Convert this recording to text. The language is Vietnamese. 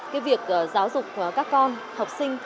cái việc giáo dục các con học sinh